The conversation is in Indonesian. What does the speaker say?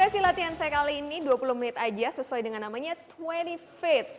sesi latihan saya kali ini dua puluh menit aja sesuai dengan namanya dua puluh feet